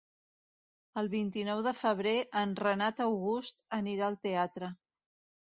El vint-i-nou de febrer en Renat August anirà al teatre.